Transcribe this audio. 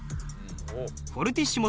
フォルテッシモ。